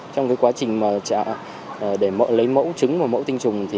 trong quá trình lấy mẫu trứng và mẫu tinh trùng